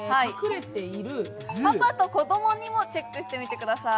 パパと子供にもチェックしてみてください。